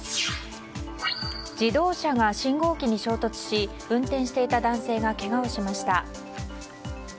自動車が信号機に衝突し運転していた男性がけがをしました。